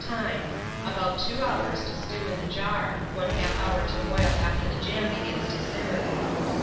Time. About 2 hours to stew in the jar; 1/2 hour to boil after the jam begins to simmer.